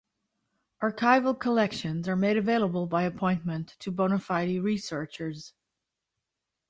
Archival collections are made available by appointment to bona fide researchers.